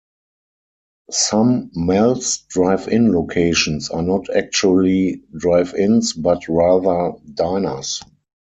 Some Mel's Drive-In locations are not actually drive-ins, but rather diners.